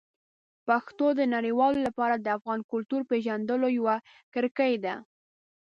پښتو د نړیوالو لپاره د افغان کلتور پېژندلو یوه کړکۍ ده.